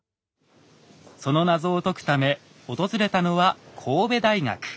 その謎を解くため訪れたのは神戸大学。